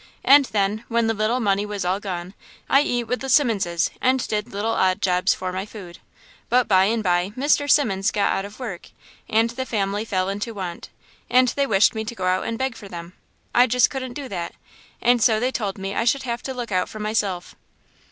And then, when the little money was all gone, I eat with the Simmonses and did little odd jobs for my food. But by and by Mr. Simmons got out of work, and the family fell into want, and they wished me to go out and beg for them. I just couldn't do that, and so they told me I should look out for myself."